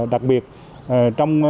đặc biệt trong